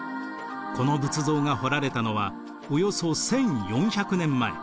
この仏像が彫られたのはおよそ１，４００年前。